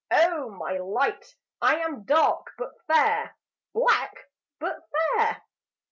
O my light, I am dark but fair, Black but fair.